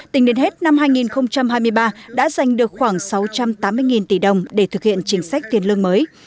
tính đến hết năm hai nghìn hai mươi ba đã giành được khoảng sáu trăm tám mươi tỷ đồng để thực hiện chính sách tiền lương mới